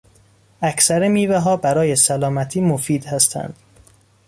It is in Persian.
اکثر میوهها برای سلامتی مفید هستند.